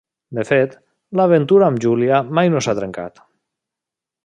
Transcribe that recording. De fet, l'aventura amb Julia mai no s'ha trencat.